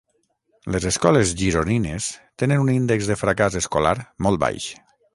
Les escoles gironines tenen un índex de fracàs escolar molt baix